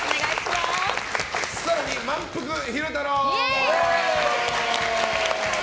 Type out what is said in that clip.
更にまんぷく昼太郎。